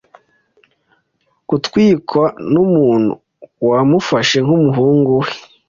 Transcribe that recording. Gutwikwa numuntu wamufashe nkumuhungu we